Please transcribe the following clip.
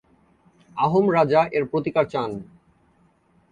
আহোম রাজা এর প্রতিকার চান।